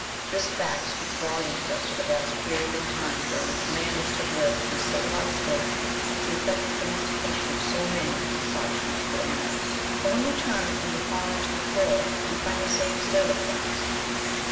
This fact speaks volumes as to the vast period, of time during which man must have lived in a civilized state to effect the domestication of so many and such useful animals. And when we turn from the fauna to the flora, we find the same state of things.